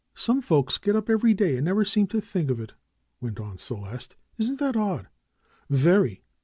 "Some folks get up every day and never seem to think of it," went on Celeste. "Isn't that odd?" "Very!"